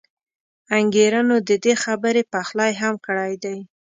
انګېرنو د دې خبرې پخلی هم کړی دی.